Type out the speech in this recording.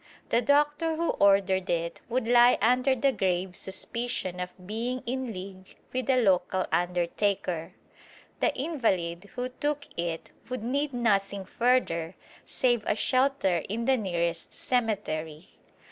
The doctor who ordered it would lie under the grave suspicion of being in league with the local undertaker. The invalid who took it would need nothing further save a shelter in the nearest cemetery.